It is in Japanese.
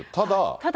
ただ。